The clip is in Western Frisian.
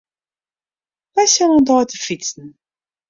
Wy sille in dei te fytsen.